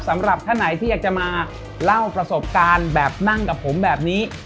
สำหรับท่านไหนที่อยากจะมาเล่าประสบการณ์แบบนั่งกับผมแบบนี้